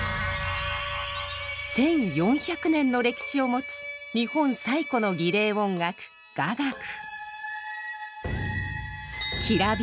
１，４００年の歴史を持つ日本最古の儀礼音楽雅楽。